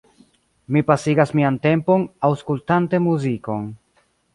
Mi pasigas mian tempon aŭskultante muzikon.